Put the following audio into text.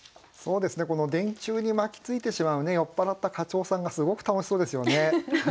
この電柱に巻きついてしまう酔っ払った課長さんがすごく楽しそうですよね。